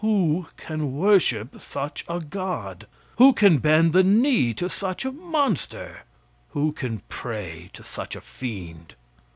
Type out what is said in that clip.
Who can worship such a god? Who can bend the knee to such a monster? Who can pray to such a fiend?